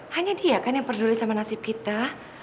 hanya dia kan yang peduli sama nasib kita